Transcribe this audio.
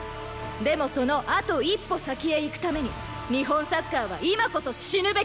でもその「あと一歩」先へ行くために日本サッカーは今こそ死ぬべきです！